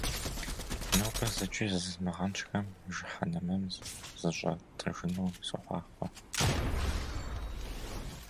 Нобэ зыкӀи зызмыгъэнщӀхэм жыхьэнмэм зыщатӀыжыну сохъуахъуэ!